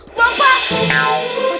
ibu bapak jangan pergi